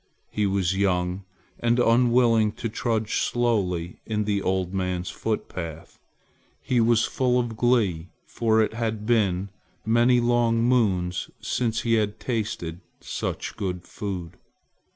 He was young and unwilling to trudge slowly in the old man's footpath. He was full of glee, for it had been many long moons since he had tasted such good food.